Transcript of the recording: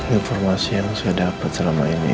informasi yang saya dapat selama ini